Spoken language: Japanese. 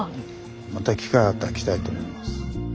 また機会あったら来たいと思います。